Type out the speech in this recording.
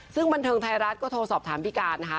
ซึ่งบันเทิงไทยรัฐก็โทรสอบถามพี่การนะคะ